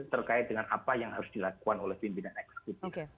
terkait dengan apa yang harus dilakukan oleh pimpinan eksekutif